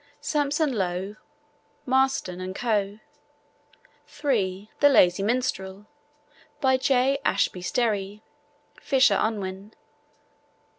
(Sampson Low, Marston and Co.) (3) The Lazy Minstrel. By J. Ashby Sterry. (Fisher Unwin.)